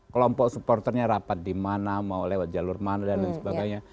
kelompok supporternya rapat di mana mau lewat jalur mana dan lain sebagainya